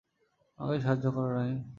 আমাকে সাহায্য করো, রাইম।